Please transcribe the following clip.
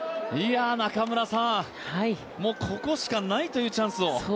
もう、ここしかないというチャンスを。